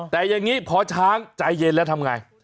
แต่อย่างนี้พอช้างใจเย็นแล้วทำไง